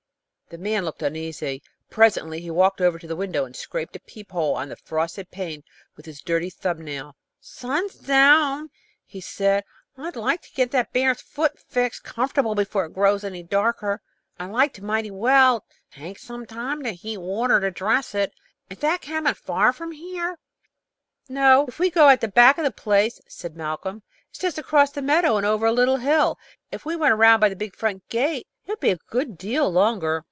The man looked uneasy. Presently he walked over to the window and scraped a peep hole on the frosted pane with his dirty thumbnail. "Sun's down," he said. "I'd like to get that bear's foot fixed comfortable before it grows any darker. I'd like to mighty well. It'll take some time to heat water to dress it. Is that cabin far from here?" "Not if we go in at the back of the place," said Malcolm. "It's just across the meadow, and over a little hill. If we went around by the big front gate it would be a good deal longer."